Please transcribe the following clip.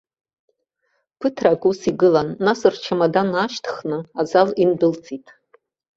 Ԥыҭрак ус игылан, нас рчамадан аашьҭыхны азал индәылҵит.